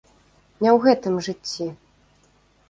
Не ў гэтым жыцці.